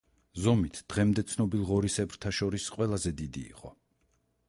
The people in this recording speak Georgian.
ზომით დღემდე ცნობილ ღორისებრთა შორის ყველაზე დიდი იყო.